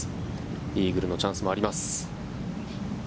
イーグルのチャンスもあります。